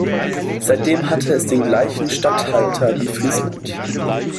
Seitdem hatte es den gleichen Statthalter wie Friesland.